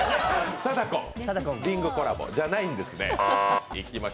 リングコラボじゃないんですね。